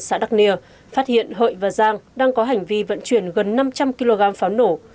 phối hợp với công an xã đắk nia phát hiện hợi và giang đang có hành vi vận chuyển gần năm trăm linh kg pháo nổ